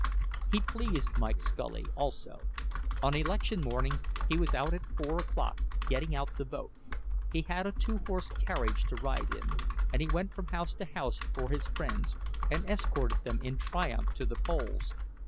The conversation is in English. He pleased Mike Scully, also. On election morning he was out at four o'clock, "getting out the vote"; he had a two horse carriage to ride in, and he went from house to house for his friends, and escorted them in triumph to the polls.